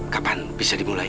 kapan bisa dimulai